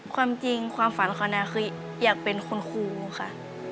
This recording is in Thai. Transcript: ความจริงความฝันเขานะคืออยากเป็นคุณครูค่ะ